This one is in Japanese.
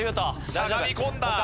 しゃがみ込んだ。